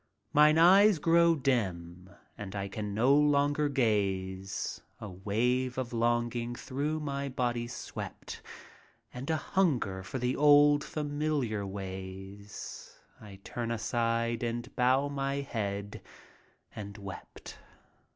Mine eyes grow dim and ,1 could no more gaze. A wave of longing through my body swept. And a hunger for the old, familiar ways; I turned aside and bowed my head and wept.